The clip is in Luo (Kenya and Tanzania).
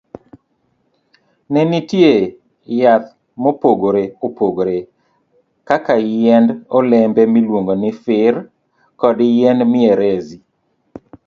Ne nitie yath mopogore opogore kaka yiend olembe miluongo ni fir, kod yiend mierezi.